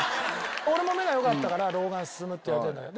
俺も目が良かったから老眼進むっていわれてるんだけど。